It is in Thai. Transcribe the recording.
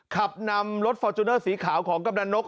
ขับนำรถฟอร์จูเนอร์สีขาวของกำลังนก